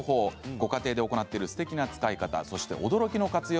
ご家庭で行っているすてきな使い方そして驚きの活用